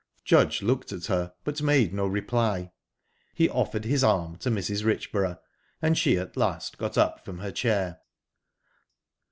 Judge looked at her, but made no reply. He offered his arm to Mrs. Richborough, and she at last got up from her chair.